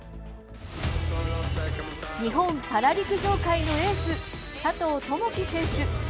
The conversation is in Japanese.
日本パラ陸上界のエース佐藤友祈選手。